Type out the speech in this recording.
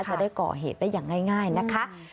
จะได้ก่อเหตุได้อย่างง่ายนะคะ